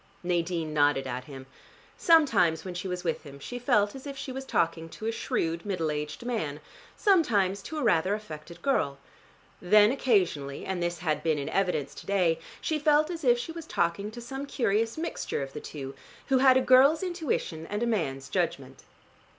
Nadine nodded at him. Sometimes when she was with him she felt as if she was talking to a shrewd middle aged man, sometimes to a rather affected girl. Then occasionally, and this had been in evidence to day, she felt as if she was talking to some curious mixture of the two, who had a girl's intuition and a man's judgment.